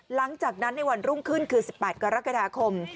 หลังจากนั้นในวันรุ่งขึ้นคือ๑๘กรกฎาคม